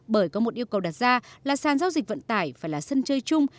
bởi có một yêu cầu đặt ra là sàn giao dịch vận tải phải là sân chơi chung